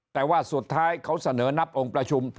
แต่ว่าสุดท้ายเขาเสนอนับองค์ประชุม